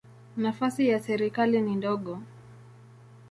Nafasi ya serikali ni ndogo.